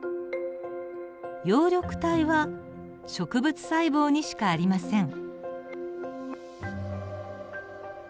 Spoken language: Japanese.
葉緑体は植物細胞にしかありません。